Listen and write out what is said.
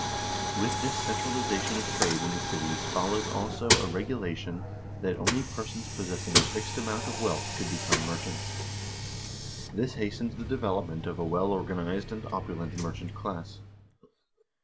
With this centralization of trade in the cities followed also a regula tion that only persons possessing a fixed amount of wealth could become merchants. This hastened the development of a well organ ized and opulent merchant class.